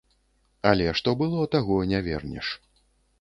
Але што было, таго не вернеш.